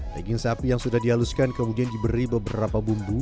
daging sapi yang sudah dihaluskan kemudian diberi beberapa bumbu